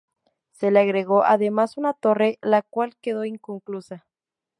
Se le agregó, además, una torre la cual quedó inconclusa.